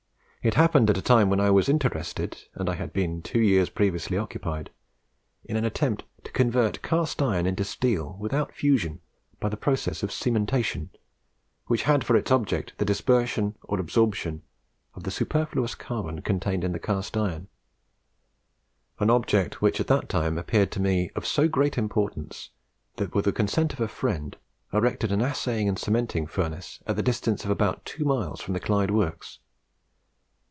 It happened at a time when I was interested and I had been two years previously occupied in an attempt to convert cast iron into steel, without fusion, by a process of cementation, which had for its object the dispersion or absorption of the superfluous carbon contained in the cast iron, an object which at that time appeared to me of so great importance, that, with the consent of a friend, I erected an assay and cementing Furnace at the distance of about two miles from the Clyde Works.